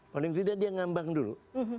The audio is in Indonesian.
paling tidak dia ngambang dulu